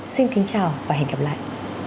xin kính chào và hẹn gặp lại